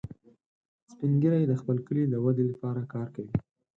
سپین ږیری د خپل کلي د ودې لپاره کار کوي